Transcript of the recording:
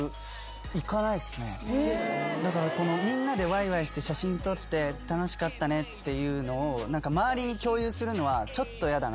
だからみんなでワイワイして写真撮って楽しかったねっていうのを周りに共有するのはちょっと嫌だなって。